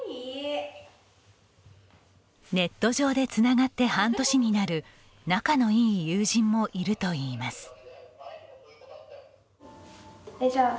ネット上でつながって半年になる仲のいい友人もいるといいます。